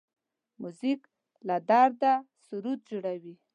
موزیک له درده سرود جوړوي.